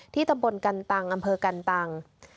ที่ตำบลกันตังค์อำเภอกันตังค์